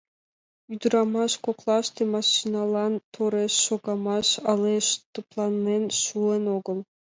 Ӱдырамаш коклаште машиналан тореш шогымаш але тыпланен шуын огыл.